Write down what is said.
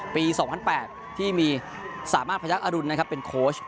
ปี๒๐๐๘ที่มีสามารถพยักษ์อรุณนะครับเป็นโค้ช